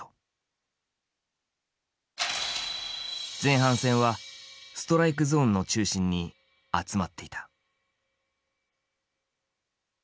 前半戦はストライクゾーンの中心に集まっていた。